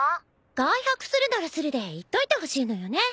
外泊するならするで言っといてほしいのよね。